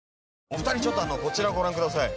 お二人ちょっとこちらをご覧ください。